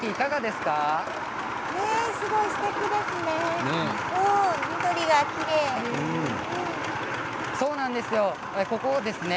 すごく、すてきですね。